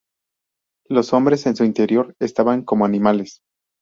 Los hombres en su interior estaban como animales.